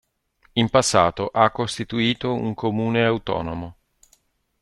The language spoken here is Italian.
In passato ha costituito un comune autonomo.